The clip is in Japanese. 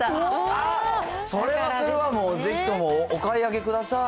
あっ、それはそれはもう、ぜひともお買い上げください。